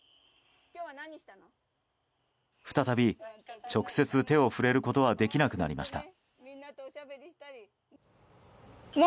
再び直接、手を触れることはできなくなりました。